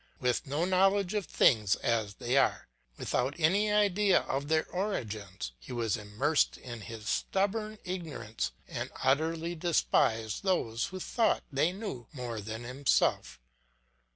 With no knowledge of things as they are, without any idea of their origins, he was immersed in his stubborn ignorance and utterly despised those who thought they knew more than himself.